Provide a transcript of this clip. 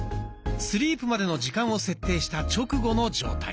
スリープまでの時間を設定した直後の状態。